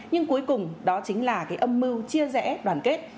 nhưng cuối cùng đó chính là cái âm mưu chia rẽ đoàn kết